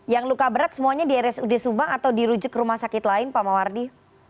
yang luka berat semuanya di rsud subang atau dirujuk ke rumah sakit lain pak mawardi